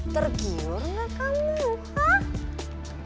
tergiur nggak kamu